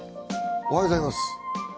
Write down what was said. おはようございます。